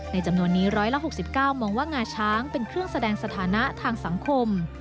จำนวนนี้๑๖๙มองว่างาช้างเป็นเครื่องแสดงสถานะทางสังคม